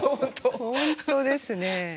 本当ですね。